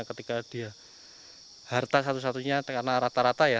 ketika dia harta satu satunya karena rata rata ya